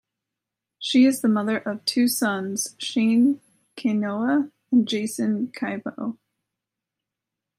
She is the mother of two sons, Shane Kainoa and Jason Kaipo.